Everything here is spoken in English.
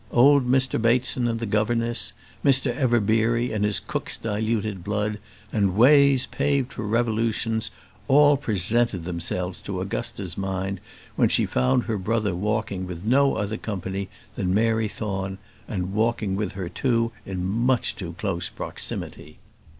Old Mr Bateson and the governess, Mr Everbeery and his cook's diluted blood, and ways paved for revolutions, all presented themselves to Augusta's mind when she found her brother walking with no other company than Mary Thorne, and walking with her, too, in much too close proximity.